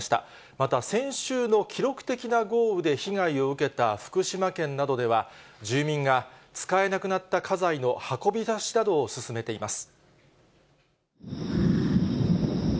また先週の記録的な豪雨で被害を受けた福島県などでは、住民が使えなくなった家財の運び出しなどを進めています。